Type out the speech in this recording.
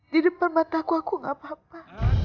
di depan mata aku aku gak apa apa